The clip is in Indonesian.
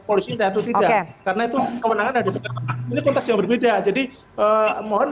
polisi tentu tidak karena itu kemenangan ada di depan ini konteks yang berbeda jadi mohon